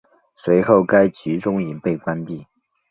随后该集中营被关闭。